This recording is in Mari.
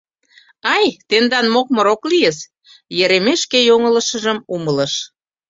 Ай, тендан мокмыр ок лийыс, — Еремей шке йоҥылышыжым умылыш.